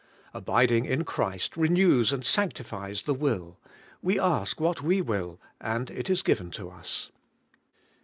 Abiding in Christ renews and sanctifies the will : we ask what we tuilly and it is given to us.